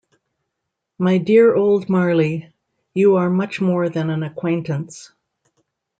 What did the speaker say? My dear old Marley, you are much more than an acquaintance.